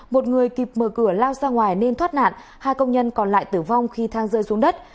một người kịp mở cửa lao ra ngoài nên thoát nạn hai công nhân còn lại tử vong khi thang rơi xuống đất